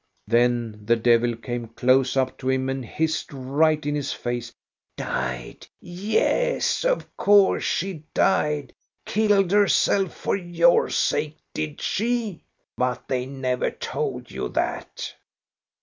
" Then the devil came close up to him and hissed right in his face: "Died! yes, of course she died. Killed herself for your sake, did she.? But they never told you that."